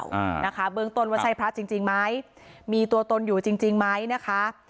อ่านะคะเบื้องต้นว่าใช่พระจริงจริงไหมมีตัวตนอยู่จริงจริงไหมนะคะ